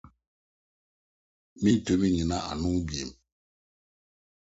Mintumi nnyina ano bio.